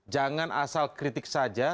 jangan asal kritik saja